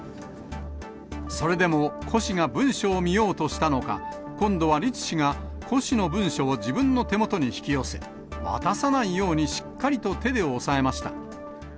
それでも胡氏が文書を見ようとしたのか、今度は栗氏が胡氏の文書を自分の手元に引き寄せ、渡さないようにしっかりと手で押さえました。